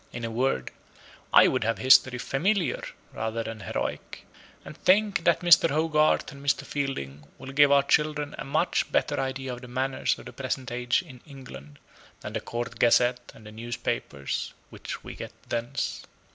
In a word, I would have History familiar rather than heroic: and think that Mr. Hogarth and Mr. Fielding will give our children a much better idea of the manners of the present age in England, than the Court Gazette and the newspapers which we get thence.